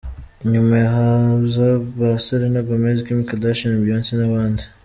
Inyuma ye haza ba Selena Gomez, Kim Kardashian, Beyonce n’abandi.